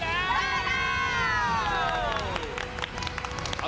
ได้แล้ว